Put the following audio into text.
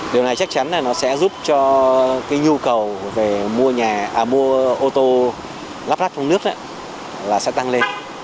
điều này chắc chắn là nó sẽ giúp cho cái nhu cầu về mua nhà mua ô tô lắp ráp trong nước là sẽ tăng lên